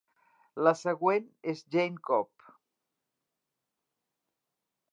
La següent és Jayne Cobb.